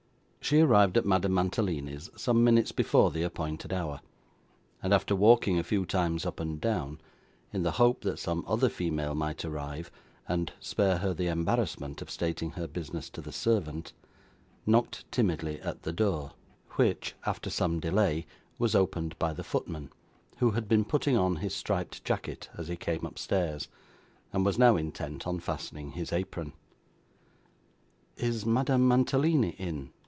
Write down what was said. She arrived at Madame Mantalini's some minutes before the appointed hour, and after walking a few times up and down, in the hope that some other female might arrive and spare her the embarrassment of stating her business to the servant, knocked timidly at the door: which, after some delay, was opened by the footman, who had been putting on his striped jacket as he came upstairs, and was now intent on fastening his apron. 'Is Madame Mantalini in?